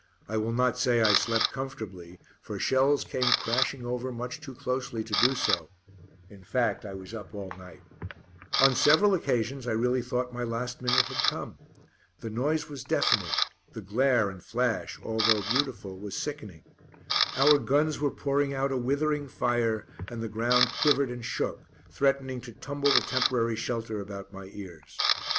I will not say I slept comfortably, for shells came crashing over much too closely to do so; in fact, I was up all night. [Illustration: THE HIGHLAND BRIGADE GOING OVER THE TOP AT MARTINPUICH. SEPTEMBER 15TH, 1916] On several occasions I really thought my last minute had come. The noise was deafening, the glare and flash although beautiful was sickening. Our guns were pouring out a withering fire, and the ground quivered and shook, threatening to tumble the temporary shelter about my ears.